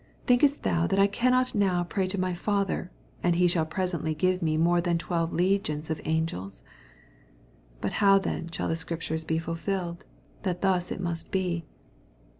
53 Thinkest thou that I cannot now pray to my Father, and he shall pre sently give me more than twelve legions of angels ? 54 But how then shall the Scrip tures be fulfilled, that thus it must be?